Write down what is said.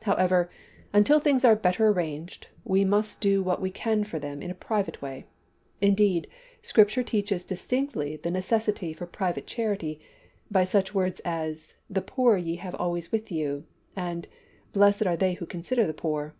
However, until things are better arranged, we must do what we can for them in a private way. Indeed Scripture teaches distinctly the necessity for private charity, by such words as `the poor ye have always with you,' and, `blessed are they who consider the poor.'